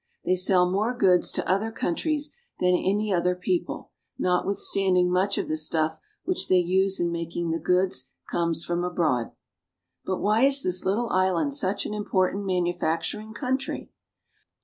They sell more goods to other countries than any other people, notwithstanding much of the stuff which they use in making the goods comes from abroad. But why is this little island such an important manu facturing country